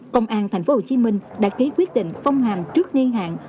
công an tp hcm đã ký quyết định phong hàm trước nghiên hạn